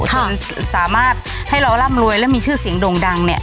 จนสามารถให้เราร่ำรวยและมีชื่อเสียงโด่งดังเนี่ย